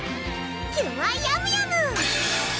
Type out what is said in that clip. キュアヤムヤム！